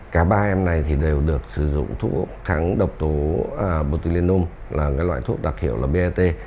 cả ba em này thì đều được sử dụng thuốc kháng độc tố botenom là loại thuốc đặc hiệu là bat